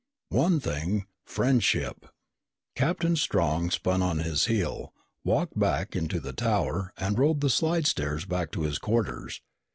One thing. Friendship. Captain Strong spun on his heel, walked back into the Tower, and rode the slidestairs back to his quarters.